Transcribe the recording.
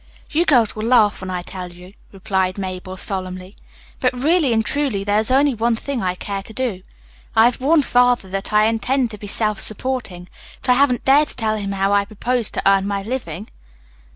"You girls will laugh when I tell you," replied Mabel solemnly, "but really and truly there is only one thing I care to do. I have warned Father that I intend to be self supporting, but I haven't dared to tell him how I propose to earn my living."